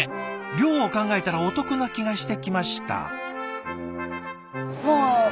量を考えたらお得な気がしてきました。